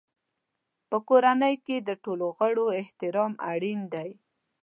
په کورنۍ کې د ټولو غړو احترام اړین دی.